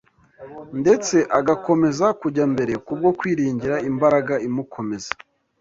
ndetse agakomeza kujya mbere kubwo kwiringira imbaraga imukomeza